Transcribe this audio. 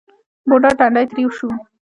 بوډا تندی ترېو شو.